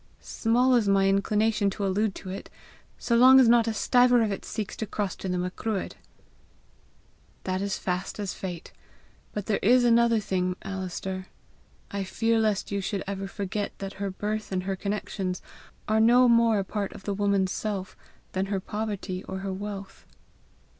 "Small is my inclination to allude to it so long as not a stiver of it seeks to cross to the Macruadh!" "That is fast as fate. But there is another thing, Alister: I fear lest you should ever forget that her birth and her connections are no more a part of the woman's self than her poverty or her wealth."